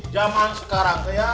zaman sekarang ya